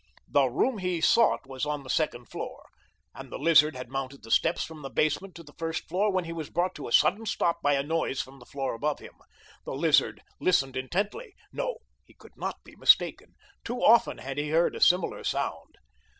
The room he sought was on the second floor, and the Lizard had mounted the steps from the basement to the first floor when he was brought to a sudden stop by a noise from the floor above him. The Lizard listened intently. No, he could not be mistaken. Too often had he heard a similar sound.